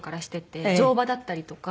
乗馬だったりとか。